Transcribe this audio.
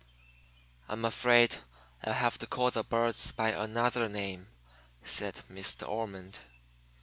"I'm afraid I'll have to call the birds by another name," said Miss De Ormond.